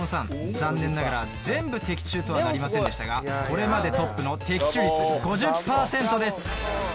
残念ながら全部的中とはなりませんでしたがこれまでトップの的中率５０％です。